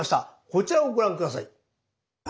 こちらをご覧下さい。